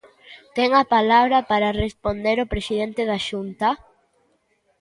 Ten a palabra, para responder, o presidente da Xunta.